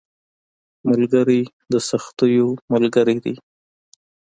ملګری د سختیو ملګری دی